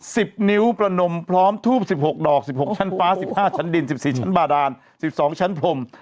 สิบนิ้วประนมพร้อมทูป๑๖ดอก๑๖ชั้นฟ้า๑๕ชั้นดิน๑๔ชั้นบาดาล๑๒ชั้นพรม